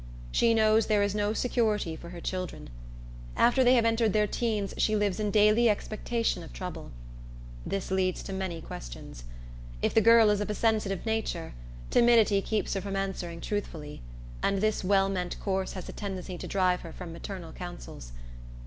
She knows there is no security for her children. After they have entered their teens she lives in daily expectation of trouble. This leads to many questions. If the girl is of a sensitive nature, timidity keeps her from answering truthfully, and this well meant course has a tendency to drive her from maternal counsels.